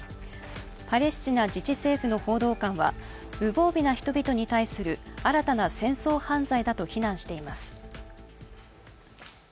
パレスチナ自治政府の報道官は無防備な人々に対する新たな戦争犯罪だと非難しています。